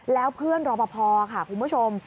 แล้วเพื่อนรอปภค่ะคุณผู้ชม